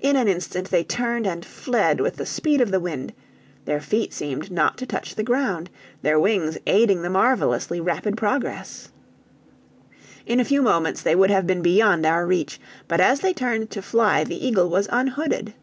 In an instant they turned and fled with the speed of the wind; their feet seemed not to touch the ground, their wings aiding the marvelously rapid progress. In a few moments they would have been beyond our reach, but as they turned to fly the eagle was unhooded.